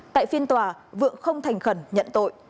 tại phiên tòa vượng không thành khẩn nhận tội